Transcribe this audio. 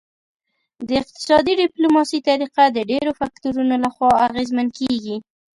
د اقتصادي ډیپلوماسي طریقه د ډیرو فکتورونو لخوا اغیزمن کیږي